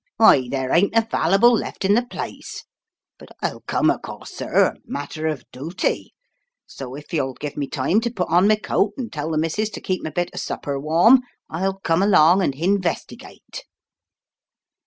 "Why, there ain't a valyble left in the place. But I'll come, o* course, sir. A matter o' dooty. So if you'll give me time to put on my coat and tell the missus to keep my bit of supper warm I'll come along and hin vestigate."